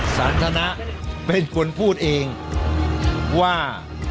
สันทนะเป็นคนพูดเองว่า